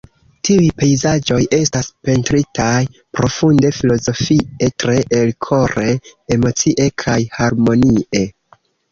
Tiuj pejzaĝoj estas pentritaj profunde filozofie, tre elkore, emocie kaj harmonie.